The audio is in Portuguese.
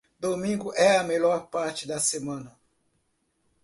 Domingo é a melhor parte da semana.